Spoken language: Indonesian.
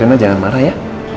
tapi reina jangan marah ya